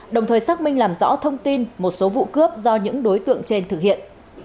đồng thời xác minh làm rõ thông tin một số vụ cướp do những đối tượng trên thực hiện